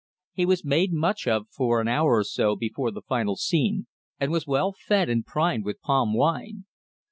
He was made much of for an hour or so before the final scene, and was well fed and primed with palm wine.